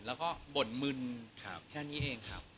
แล้วก็บ่นมึนแค่นี้เองครับ